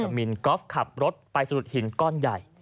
มินกอล์ฟขับรถไปสะดุดหินก้อนใหญ่